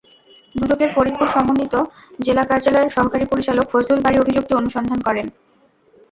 দুদকের ফরিদপুর সমন্বিত জেলা কার্যালয়ের সহকারী পরিচালক ফজলুল বারী অভিযোগটি অনুসন্ধান করেন।